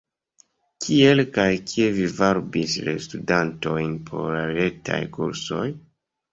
Kiel kaj kie vi varbis la studantojn por la retaj kursoj?